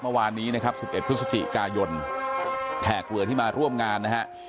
เมื่อวานนี้นะครับ๑๑พฤศจิกายนแขกเรือที่มาร่วมงานนะฮะ